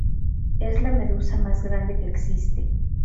Es la medusa más grande que existe.